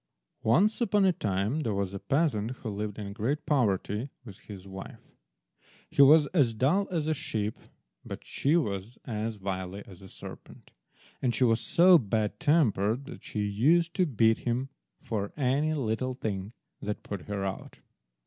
ONCE upon a time there was a peasant who lived in great poverty with his wife. He was as dull as a sheep, but she was as wily as a serpent, and she was so bad tempered that she used to beat him for any little thing that put her out.